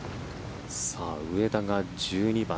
上田が１２番